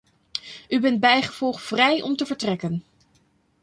U bent bijgevolg vrij om te vertrekken.